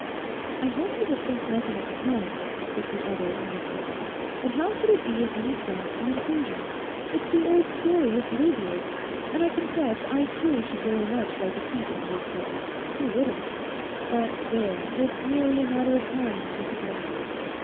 'I hope you will think nothing of the kind,' said the other earnestly; 'how could it be in any sense an intrusion? It's the old story of Bluebeard. And I confess I too should very much like a peep into his cupboard. Who wouldn't? But there, it's merely a matter of time, I suppose.